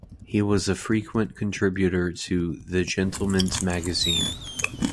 He was a frequent contributor to "The Gentleman's Magazine".